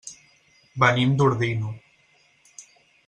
Venim d'Ordino.